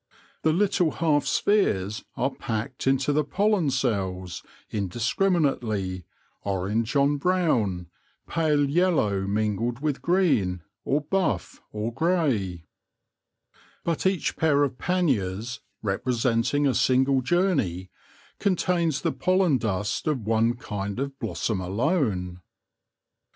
The little half spheres are packed into the pollen cells indiscrimi nately, orange on brown, pale yellow mingled with 4 o THE LORE OF THE HONEY BEE green, or buff, or grey. But each pair of panniers, representing a single journey, contains the pollen dust of one kind of blossom alone.